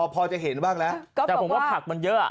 อ๋ออ่าพอจะเห็นบ้างแล้วก็บอกว่าแต่ผมว่าผักมันเยอะ